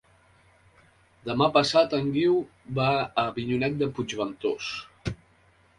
Demà passat en Guiu va a Avinyonet de Puigventós.